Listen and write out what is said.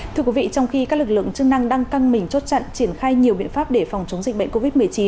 thưa quý vị trong khi các lực lượng chức năng đang căng mình chốt chặn triển khai nhiều biện pháp để phòng chống dịch bệnh covid một mươi chín